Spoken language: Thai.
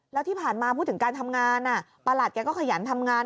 แล้วที่ผ่านมาพูดถึงการทำงานประหลัดแกก็ขยันทำงาน